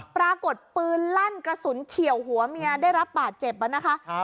ปรากฏปืนลั่นกระสุนเฉียวหัวเมียได้รับบาดเจ็บนะคะ